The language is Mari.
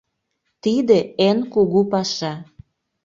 Тиде — эн кугу паша...